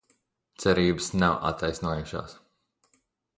Cerības nav attaisnojošās...